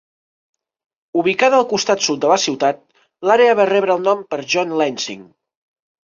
Ubicada al costat sud de la ciutat, l'àrea va rebre el nom per John Lansing.